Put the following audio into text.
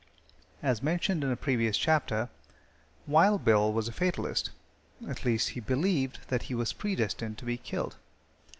As mentioned in a previous chapter, Wild Bill was a fatalist at least he believed that he was predestined to be killed.